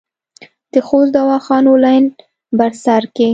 د خوست دواخانو لین بر سر کې